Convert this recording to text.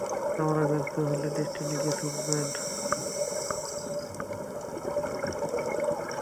আমরা ব্যর্থ হলে ডেস্টিনিকে ছুড়বেন।